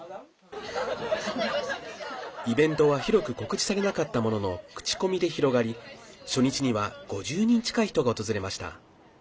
イベントは広く告知されなかったものの口コミで広がり、初日には５０人近い人が訪れました。